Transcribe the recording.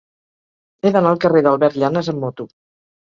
He d'anar al carrer d'Albert Llanas amb moto.